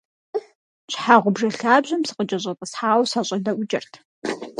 Щхьэгъубжэ лъабжьэм сыкъыкӀэщӀэтӀысхьауэ, сащӏэдэӏукӏырт.